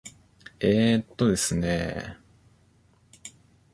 えーとですね。